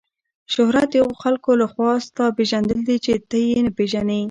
شهرت د هغو خلکو له خوا ستا پیژندل دي چې ته یې نه پیژنې.